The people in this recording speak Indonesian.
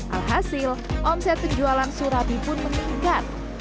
alhasil omset penjualan surabi pun meningkat